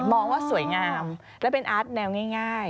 มองว่าสวยงามและเป็นอาร์ตแนวง่าย